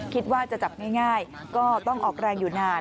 คิดว่าจะจับง่ายก็ต้องออกแรงอยู่นาน